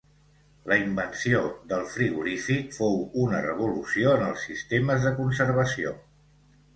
La invenció del frigorífic fou una revolució en els sistemes de conservació.